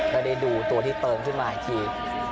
ได้ดูตัวที่เติมขึ้นมาอีกที